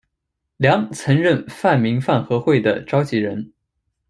梁曾任泛民饭盒会的召集人。